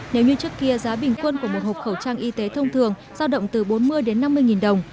nếu như trước kia giá bình quân của một hộp khẩu trang y tế thông thường giao động từ bốn mươi đến năm mươi nghìn đồng